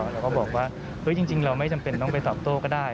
เราก็บอกว่าจริงเราไม่จำเป็นต้องไปตอบโต้ก็ได้